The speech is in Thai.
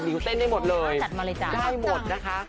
ลิวเต้นได้หมดเลยได้หมดนะคะ